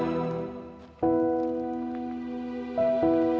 kenapa aku nggak bisa dapetin kebahagiaan aku